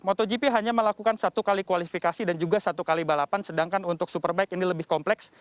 motogp hanya melakukan satu kali kualifikasi dan juga satu kali balapan sedangkan untuk superbike ini lebih kompleks